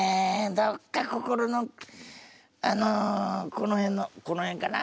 どっか心のあのこの辺のこの辺かな